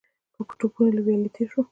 په ټوپونو له ويالې تېر شو.